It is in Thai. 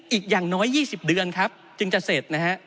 อีกอย่างน้อย๒๐เดือนจึงจะเสร็จ